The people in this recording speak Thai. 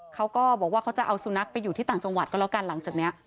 เขาก็บอกว่าเขาจะเอาสุนัขไปอยู่ที่ต่างจังหวัดก็แล้วกันหลังจากนี้